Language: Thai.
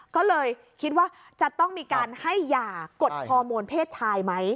ก็เลยคิดว่าจะต้องมีการให้ยากดฮอร์โมนเพศชายไหม